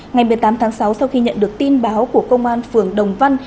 ngày một mươi tám tháng sáu sau khi nhận được tin báo của công an phường đồng văn